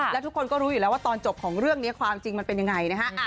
แล้วทุกคนก็รู้อยู่แล้วว่าตอนจบของเรื่องนี้ความจริงมันเป็นยังไงนะฮะ